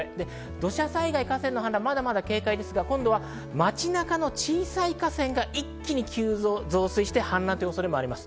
土砂災害にまだまだ警戒が必要ですが、街中の小さい河川が一気に増水して氾濫という恐れがあります。